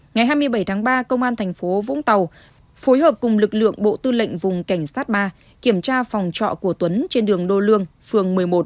ngày hai mươi bảy tháng ba công an thành phố vũng tàu phối hợp cùng lực lượng bộ tư lệnh vùng cảnh sát ba kiểm tra phòng trọ của tuấn trên đường đô lương phường một mươi một